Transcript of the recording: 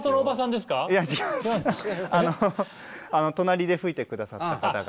あの隣で吹いてくださった方々。